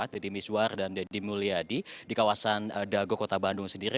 deddy miswar dan deddy mulyadi di kawasan dago kota bandung sendiri